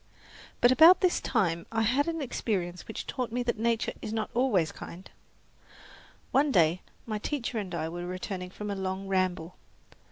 But about this time I had an experience which taught me that nature is not always kind. One day my teacher and I were returning from a long ramble.